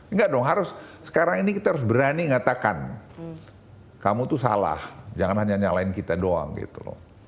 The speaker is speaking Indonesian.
enggak dong harus sekarang ini kita harus berani ngatakan kamu tuh salah jangan hanya nyalain kita doang gitu loh